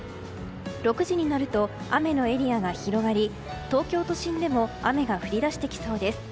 ６時になると雨のエリアが広がり東京都心でも雨が降り出してきそうです。